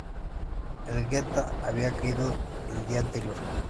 Elgueta había caído el día anterior.